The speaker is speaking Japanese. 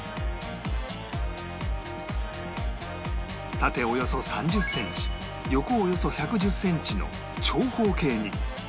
縦およそ３０センチ横およそ１１０センチの長方形に